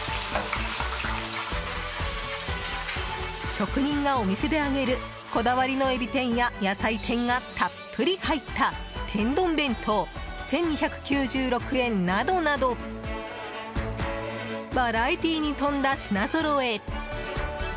職人がお店で揚げるこだわりのエビ天や野菜天がたっぷり入った天丼弁当、１２９６円などなどバラエティーに富んだ品ぞろえ。